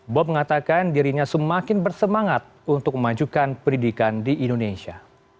bom mengatakan dirinya semakin bersemangat untuk memajukan pendidikan di indonesia